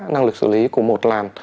năng lực xử lý của một làn